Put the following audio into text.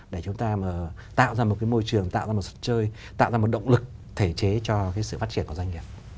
để chúng ta mà tạo ra một cái môi trường tạo ra một sân chơi tạo ra một động lực thể chế cho cái sự phát triển của doanh nghiệp